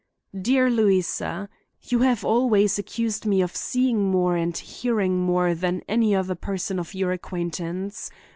"Dear Louisa:—You have always accused me of seeing more and hearing more than any other person of your acquaintance.